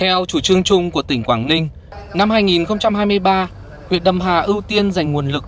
theo chủ trương chung của tỉnh quảng ninh năm hai nghìn hai mươi ba huyện đầm hà ưu tiên dành nguồn lực